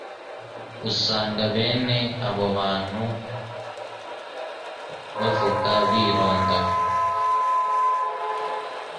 Usanga bene abo abantu bavuga bironda